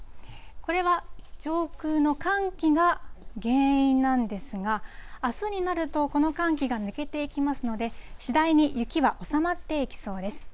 これは上空の寒気が原因なんですが、あすになると、この寒気が抜けていきますので、次第に雪は収まっていきそうです。